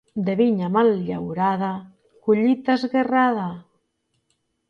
De vinya mal llaurada, collita esguerrada.